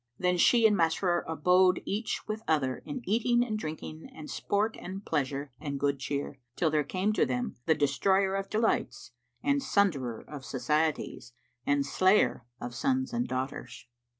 Then she and Masrur abode each with other in eating and drinking and sport and pleasure and good cheer, till there came to them the Destroyer of delights and Sunderer of societies and Slayer of sons and daughters.